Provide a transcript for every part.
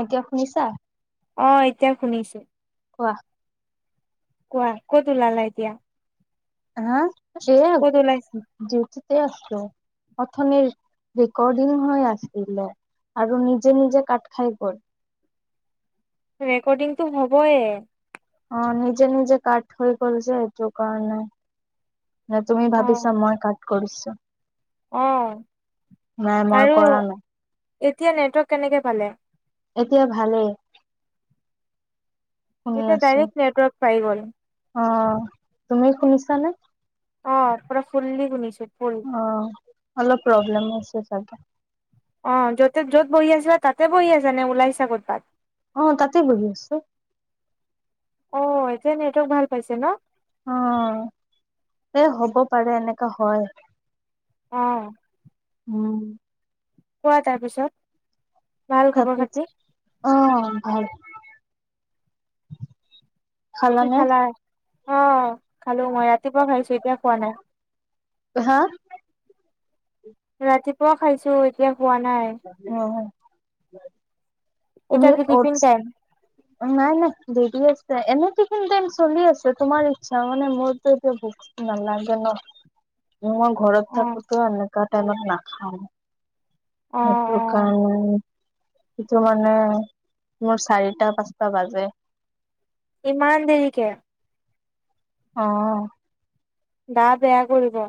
এতিয়া শুনিছা। অ এতিয়া শুনিছোঁ। কোৱা । কোৱা ক'ত ওলালা এতিয়া । হা ওলাইছা যুৱক দিউটিতে আছোঁ। অথনি ৰেকৰ্ডিং হৈ, আছিলে আৰু নিজে নিজে কাট খাই গ'ল। ৰেকৰ্ডিংটো হ'বই। অ নিজে নিজে কাট হৈ গ'ল যে এইটো কাৰণে। ন তুমি অ ভাবিছা মই কাট। কৰিছোঁ । অ মই আৰু। কৰা নাই এতিয়া নেটৱৰ্ক কেনেকে পালে। এতিয়া ভালেই । এতিয়া ডাইৰেক নেটৱৰ্ক। পাই গ'ল। অ তুমি শুনিছানে । অ পুৰা ফুল্লি শুনিছোঁ। অ অলপ প্ৰব্লেম আছে যে। তাকে। অ য'তে য'ত বহি আছা। তাতে বহি আছা নে ওলাইছা ক'তবাত। অ তাতেই বহি আছোঁ। অ এতিয়া নেটৱৰ্ক ভাল পাইছে ন। অ এ হ'ব পাৰে এনেকা হয়। অঁ। উম্। কোৱা তাৰ পিছত তাৰ পিছত অ ভাল কি খালানে খালা অ খালো মই ৰাতিপুৱা খাইছো এতিয়া খোৱা নাই হা ৰাতিপুৱাও খাইছো এতিয়া খোৱা নাই উ এতিয়া তুমি কি ঔৎচ টিফিন টাইম নাই নাই দেদি আছ এনেইটো চলি আছে তোমাৰ ইচ্ছা মানে মোৰতো এতিয়া ভুক নালাগে ন ম মই ঘৰত অ থাকোতে তেনেকা টাইমত নাখায় অ সেইটো অ কাৰণে সেইটো মানে মোৰ চাৰিটা পাঁচটা বাজে ইমান দেৰি কে আহ গা বেয়া কৰিব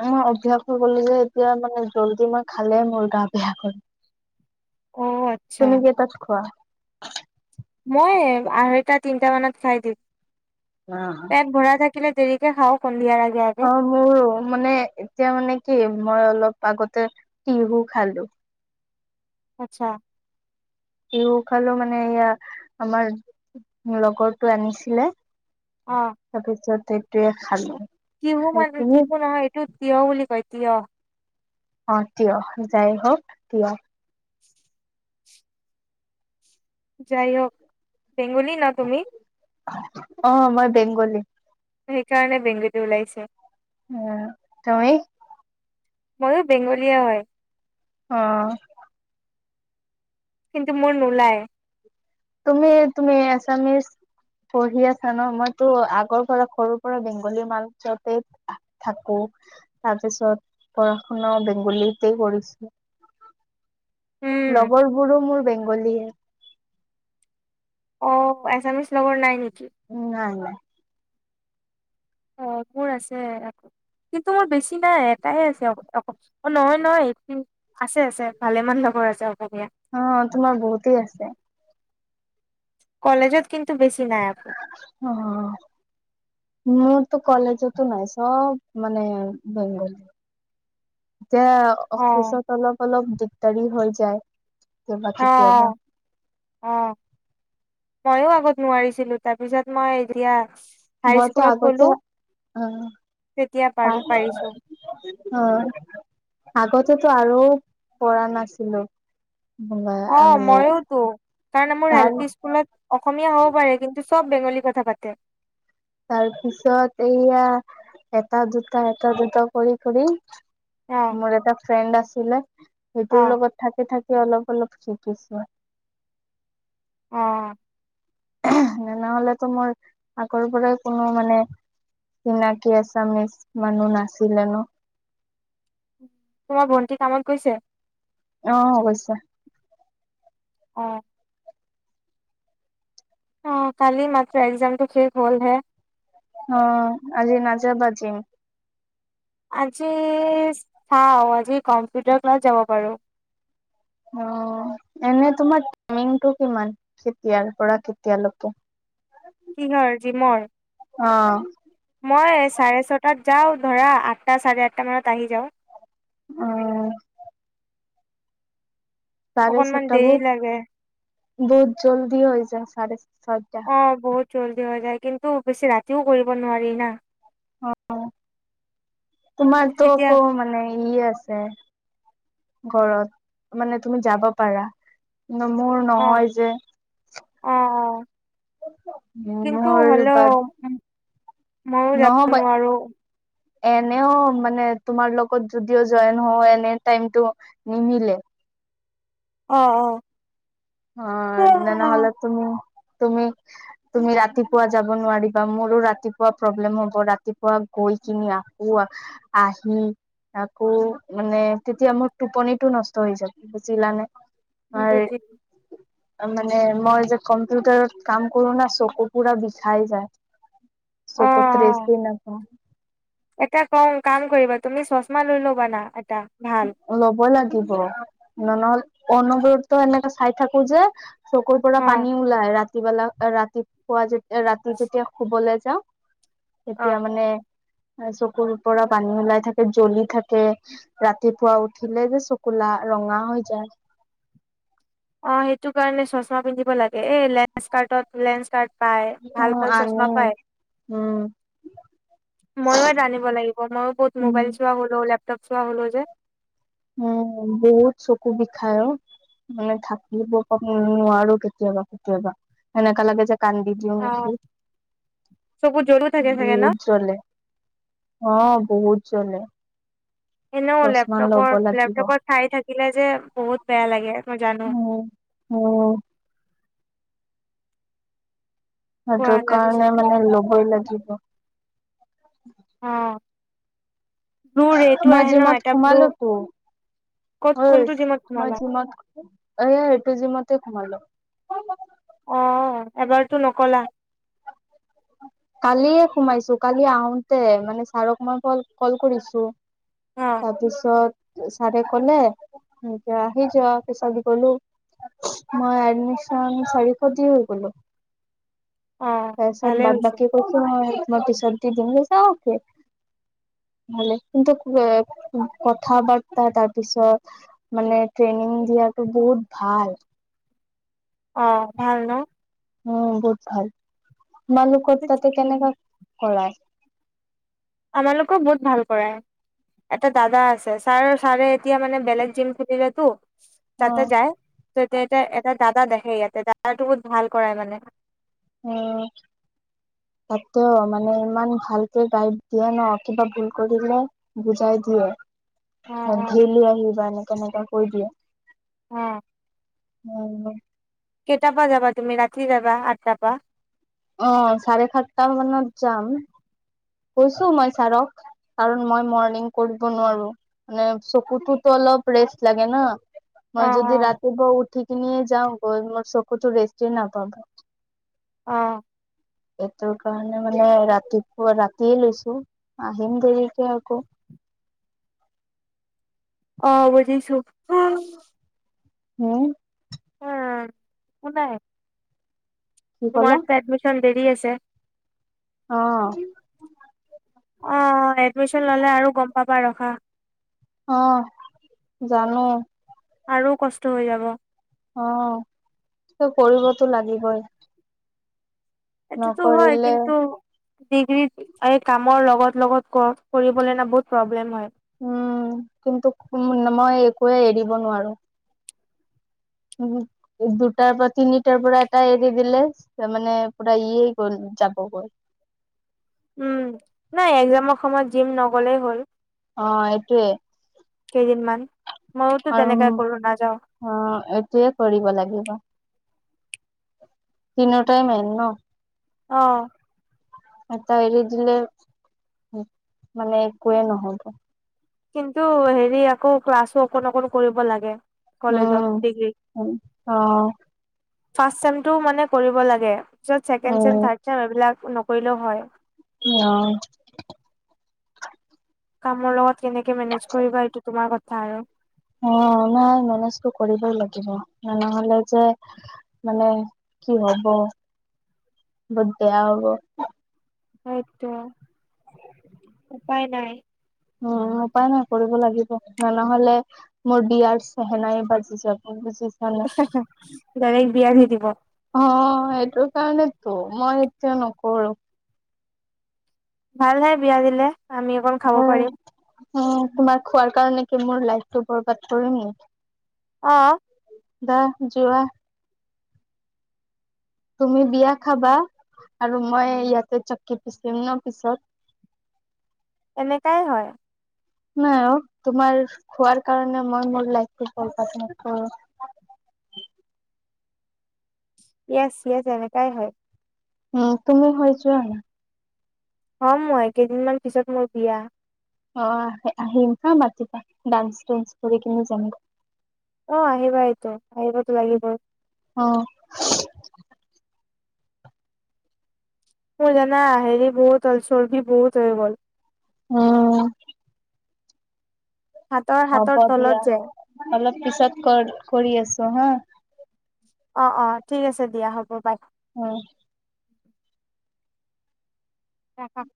আৰু অভ্যাস হৈ গ'ল যে এতিয়া মানে জলদি মই খালে মোৰ গা বেয়া কৰে অ' আচ্ছা তুমি কেইটাত খোৱা মই আঢ়ৈটা তিনটা মানত খাই দিম পেট ভৰা থাকে কেলে দেৰিকে খাও অ মোৰ মানে এতিয়া মানে কেলে মই অলপ আগতে টহু খালো আচ্ছা টহু খালো মানে এয়া আমাৰ লগৰটো আনিছিলে তাৰপিছত সেইটোয়ে খালো টহু খাই মানে কিনি টহু নহয় এইটো তিঁয়হ বুলি কৈ তিঁয়হ অ তিঁয়হ যাই হওক তিঁয়হ যাই হওক বেংগলি ন তুমি অ মই বেংগলী সেইকাৰণে বেংগলিটো ওলাইছে উম তুমি ময়ো বেংগলীয়া হয় অ কিন্তু মোৰ নোলায় তুমি তুমি এছামিচ পঢ়ি আছা ন মইতো আগৰ পৰা সৰুৰ পৰা বেংগলী মাৰ্কেটত থাকো তাৰপিছত পঢ়া শুনা বেংগলীতে কৰিছো উম লগৰবোৰো মোৰ বেংগলীহে অ এছামিছ লগৰ নাই নেকি? উম নাই নাই অ মোৰ আছে আ কিন্তু মোৰ বেছি নাই এটাই আছে অকল ও নহয় নহয় আছে আছে ভালেমান লগৰ আছে অসমীয়া অ তোমাৰ বহুতেই আছে কলেজত কিন্তু বেছি নাই আকৌ। অ মোৰতো কলেজতো নাই চব মানে বেংগলী এতিয়া অ', অফিচত অলপ অলপ দিগদাৰি হৈ যায় কেতিয়াবা কেতিয়াবা। আহ আহ ময়ো আগত নোৱাৰিছিলো তাৰপিছত মই এতিয়া হাই মইতো স্কুলত গ'লো আগতে অ তেতিয়া অ পাৰি পাৰিছো আগতে তেতিয়া টো আৰু পৰা নাছিলো অ মানে মইওতো কাৰণ মোৰ হল তাৰ পি স্কুলত অসমীয়া হ'ব পাৰে কিন্তু চব বেংগলী কথা কথা পাতে তাৰপিছত এইয়া এটা দুটা এটা দুটা কৰি কৰি অ', মোৰ এটা ফ্ৰেণ্ড আছিলে সেইটোৰ অ', লগত থাকি থাকি অলপ অলপ শিকিছো অ ন নহলেতো মোৰ আগৰ পৰাই কোনো মানে চিনাকি এছামিজ মানুহ নাছিলে ন তোমাৰ ভণ্টি কামত গৈছে আহ গৈছে অ অ কালি মাত্ৰ একজামটো শেষ হ'লহে অ আজি নাযাবা যিম আজি চাওঁ আজি কম্পিউটাৰ ক্লাছ যাব পাৰো অ এনে তোমাৰ টাইমিংটো কিমান কেতিয়াৰ পৰা কেতিয়ালৈকে কিহৰ যিমৰ অ ছটাত যাও ধৰা আঠটা চাৰে আঠটা মানত আহি যাওঁ উম চাৰে অকনমান ছটা দেৰি বহুত লাগে বহুত জল্দি হৈ যায় চাৰে ছয়টা। অ বহুত জল্দি হৈ যায় কিন্তু বেছি ৰাতিও কৰিব নোৱাৰি না অ তোমাৰটো তেতিয়া আকৌ মানে সৰি আছে ঘৰত মানে তুমি যাব পাৰা মোৰ অ নহয় যে অ অ কিন্তু মোৰ বা হলেও মইয়ো যাব নহ'ব নোৱাৰো এনেও মানে তোমাৰ লগত যদিও জইন হও এনেও টাইমটো নিমিলে অ অ অ তেনেহলে তুমি তুমি তুমি ৰাতিপুৱা যাব নোৱাৰিবা মোৰো ৰাতিপুৱা প্ৰব্লেম হব ৰাতিপুৱা গৈ কিনি আকৌ আহি আকৌ মানে তেতিয়া মোৰ টোপনিটো নষ্ট হৈ যাই বুজিলানে বুজিলো মানে মই যে কম্পিউটাৰত কাম কৰো ন চকু পুৰা বিষাই যায় অ চকত্ৰছ অ দি নখ এটা ক কাম কৰিবা তুমি চশমা লৈ ল'বা না এটা ভাল ল'ব লাগিব নললে অনব্ৰতে এনেকে চাই থাকো যে চকুৰ পৰা অ পানী ওলাই ৰাতি বেলা ৰাতি পুৱা যেতি ৰাতি যেতিয়া শুবলৈ যাও অ তেতিয়া মানে চকুৰ পৰা পানী ওলাই থাকে জ্বলি থাকে ৰাতিপুৱা উঠিলে যে চকু লা ৰঙা হৈ যায় অ সেইটো কাৰণে চশমা পিন্ধিব লাগে এ লেঞ্চ কাৰ্ডত লেঞ্চ কাৰ্ড পাই ভাল উ ভাল চশমা আনি পায় উম ময়ো এটা আনিব লাগিব মইও বহুত মোবাইল চোৱা হলে ওল তাত চোৱাব লৈ জাই উম বহুত চকু বিষায় অ মানে থাকিব কাৰণে নোৱাৰো কেতিয়াবা কেতিয়াবা এনেকা লাগে যে কান্দি দিওঁ অ নেকি চকুত জ্বলো থাকে চাগে ন বহুত জ্বলে অ বহুত জ্বলে এনেও চচমা লব লেপটপৰ লাগিব লেপটপত চাই থাকিলে যে বহুত বেয়া লাগে মই জানো উম উম কোৱা সেইটোৰ তাৰ কাৰণে পিছত মানে লবই লাগিব অ ব্লু ৰেটো মই আহে ন জিমত এটা ব্লু সোমালো তো ক'ত কোনটো জিমত মই সোমালা জিমত এয়া এইটো জিমত তে সোমা লো অহ এবাৰতো নকলা কালিয়ে সোমাইছো কালি আহোতে মানে ছাৰক মই কল কল কৰিছো অ তাৰপিছত ছাৰে ক'লে এতিয়া আহি যোৱা পিছত গলো মই এডমিশন চাৰিশ দি হৈ গলো। অ তাৰপিছত ভালে বাদ হৈছে। বাকী কৈছো মই পিছত দি দিম যাওকে ভ কিন্তু কথা বাৰ্তা তাৰপিছত মানে ট্ৰেইনিং দিয়াটো বহুত ভাল। অ ভাল ন। উম বহুত ভাল। তোমালোকৰ তাতে কেনেকা কৰায়? আমালোকক বহুত ভাল কৰাই এটা দাদা আছে, ছাৰ ছাৰে এতিয়া মানে বেলেগ জিম খেলিলেতো। অ তাতে যায় ত এতিয়া এতিয়া এটা দাদা দেখে ইয়াত। তে তাৰ বহুত ভাল কৰাই মানে। ওম তত্তেও, মানে ইমান ভালকে গাইড দিয়ে ন, কিবা ভুল কৰিলে বুজাই দিয়ে। অ অ ঢেলি আহিবানে। কেনেকা কৈ দিয়ে। উম। উম। কেইটাৰ পৰা যাবা তুমি ৰাতি যাবা আঠটাৰ পৰা। অ চাৰে সাতটা মানত যাম কৈছো মই ছাৰক কাৰণ মই মৰ্ণিং কৰিব নোৱাৰো মানে চকুতোতো অলপ ৰেষ্ট লাগে ন। অ মই যদি অ ৰাতিপোৱা উঠি। কিনি যাওঁ গৈ মোৰ চকু টো ৰেষ্টেই নাপাব। অ এইটো কাৰণে মানে ৰাতিপুৱা ৰাতিয়ে লৈছো আহিম দেৰিকে আকৌ। অ বুজিছো। হম উম একোনাই। কি তুমাৰ কলা এতিয়া এডমিশন। দেৰি আছে। অহ। অ এডমিশন ললে আৰু গম পাবা ৰখা। অ জানো। আৰু কষ্ট হৈ যাব। অ কৰিবতো লাগিবই। এটোতো হয় নকৰিলে কিন্তু ডিগ্ৰি কাম। মোৰ লগত লগত কৰিবলে না বহুত প্ৰব্লেম হয় । উম কিন্তু না মই একোৱয়ে এৰিব নোৱাৰো। উ দুটাৰ পৰা তিনিটাৰ পৰা এটা এৰি দিলে মানে পুৰা এয়ে গল যাব গৈ। উম নাই একজামৰ সময়ত জিম নগ'লেই হ'ল । অ এইটোৱে কেইদিনমান। ময়োতো আৰু তেনেকাই কৰো নাযাওঁ। অ এইটয়ে কৰিব লাগিব। তিনিওটাই মেইন ন। অ এটা এৰি দিলে। মানে একোৱে নহব । কিন্তু হেৰি আকৌ। ক্লাছো অকণ অকণ কৰিব লাগে কলেজত, উম ডিগ্ৰী । অ ফাৰ্ষ্ট চেমটো মানে কৰিব লাগে পিছত second sem um third sem এইবিলাক নকৰিলেও হয় অ কামৰ লগত কেনেকে মেনেজ কৰিবা এইটো তোমাৰ কথা আৰু অ নাই মেনেজটো কৰিবই লাগিব নহলে যে মানে কি হব বহুত বেয়া হ'ব হয়তো উপায় নাই উম উপায় নাই কৰিব লাগিব ন নহলে মোৰ বিয়াৰ চেহেনাই বাজি যাব বুজিছ ডাইৰেক্ট বিয়া দি দিব ত' মই এতিয়া নকৰো ভালহে বিয়া দিলে আমি অকল খাব পাৰিম উম তোমাৰ খোৱাৰ কাৰণে কি মোৰ লাইফটো বৰবাদ কৰিম নেকি আহ দে যোৱা তুমি বিয়া খাবা আৰু মই ইয়াতে চককি পিচিম ন পিছত এনেকাই হয় নাই অ তোমাৰ খোৱাৰ কাৰণে মই মোৰ লাইফটো বৰবাদ নকৰো । য়াচ য়াচ এনেকাই হয় উম তুমি হয় যোৱা না হম মই কেইদিনমান পিছত মোৰ বিয়া অ আহিম হা মাতিৱা ডান্স চাঞ্চ কৰি কিনে যাম অ আহিবা এইটো আহিবতো লাগিবই অ মোৰ জানা হেৰি বহুত হল চৰ্বি বহুত হৈ গ'ল উম হাতৰ হাতৰ তলত যে পিচত কল কৰি আছো হা অ অ ঠিক আছে দিয়া হ'ব বাই উম ৰাখা